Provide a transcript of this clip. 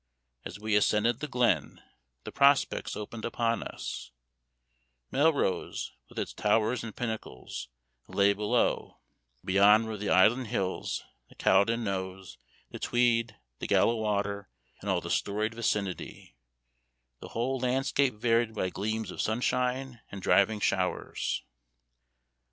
As we ascended the glen, the prospects opened upon us; Melrose, with its towers and pinnacles, lay below; beyond were the Eildon hills, the Cowden Knowes, the Tweed, the Galla Water, and all the storied vicinity; the whole landscape varied by gleams of sunshine and driving showers.